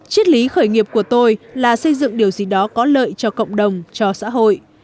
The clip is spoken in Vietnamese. triết lý khởi nghiệp của tôi là xây dựng điều gì đó có lợi cho cộng đồng cho xã hội